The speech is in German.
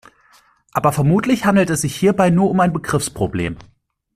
Aber vermutlich handelt es sich hierbei nur um ein Begriffsproblem.